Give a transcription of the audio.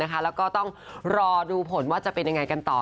แล้วก็ต้องรอดูผลว่าจะเป็นยังไงกันต่อ